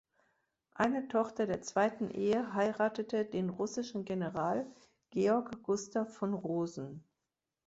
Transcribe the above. Eine Tochter der zweiten Ehe heiratete den russischen General Georg Gustav von Rosen.